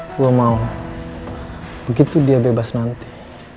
gue mau begitu dia bebas nanti